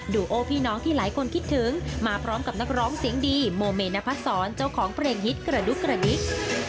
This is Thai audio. โอพี่น้องที่หลายคนคิดถึงมาพร้อมกับนักร้องเสียงดีโมเมนพัดศรเจ้าของเพลงฮิตกระดุกกระนิก